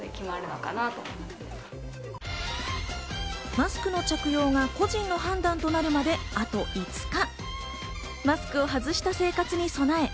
マスクの着用が個人の判断となるまであと５日。